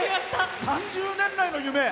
３０年来の夢